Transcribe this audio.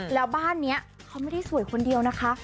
แล้วบ้านนี้เขาไม่ได้สวยคนเดียวนะคะ